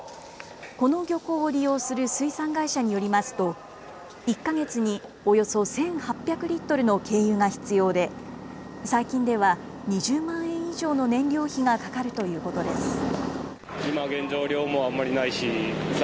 この漁港を利用する水産会社によりますと、１か月におよそ１８００リットルの軽油が必要で、最近では２０万円以上の燃料費がかかるということです。